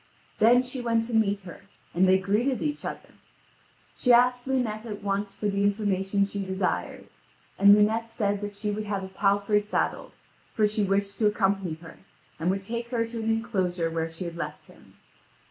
Then she went to meet her, and they greeted each other. She asked Lunete at once for the information she desired; and Lunete said that she would have a palfrey saddled; for she wished to accompany her, and would take her to an enclosure where she had left him.